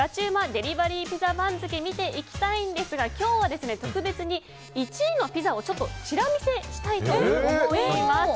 デリバリーピザ番付見ていきたいんですが今日は特別に１位のピザをちら見せしたいと思います。